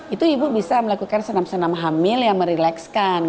itu ibu bisa melakukan senam senam hamil yang merilekskan